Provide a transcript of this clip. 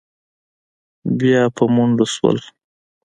بيا په منډو شول.